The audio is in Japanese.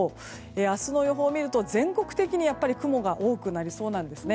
明日の予報を見ると全国的に雲が多くなりそうなんですね。